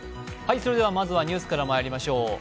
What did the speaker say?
まずはニュースからまいりましょう。